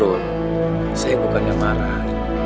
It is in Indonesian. brun saya bukan yang marah